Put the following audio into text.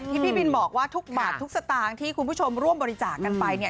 พี่บินบอกว่าทุกบาททุกสตางค์ที่คุณผู้ชมร่วมบริจาคกันไปเนี่ย